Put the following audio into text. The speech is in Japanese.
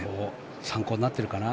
参考になってるかな？